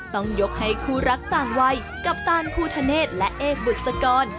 ต้องยกให้คู่รักต่างวัยกัปตันภูทะเนธและเอกบุษกร